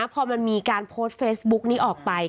พอมันมีการโพสต์เฟซบุ๊กนี้ออกไป